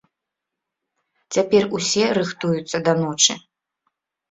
Цяпер усе рыхтуюцца да ночы.